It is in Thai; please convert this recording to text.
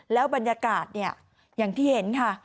แล้วบรรยากาศเนี่ยอย่างที่เห็นค่ะ